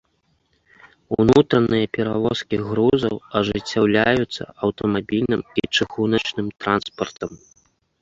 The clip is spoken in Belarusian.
Унутраныя перавозкі грузаў ажыццяўляюцца аўтамабільным і чыгуначным транспартам.